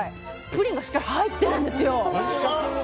プリンがしっかり入ってるんですよ。